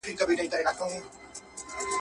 نه يوه له بله ځان سو خلاصولاى.